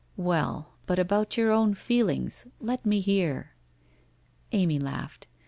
' Well, but about your own feelings ! Let me hear.' Amy laughed.